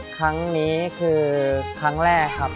ครั้งนี้คือครั้งแรกครับ